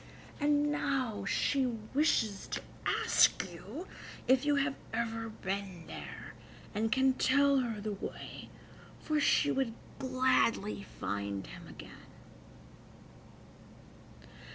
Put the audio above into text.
And now she wishes to ask you if you have ever been there, and can tell her the way, for she would gladly find him again."